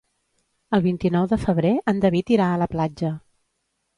El vint-i-nou de febrer en David irà a la platja.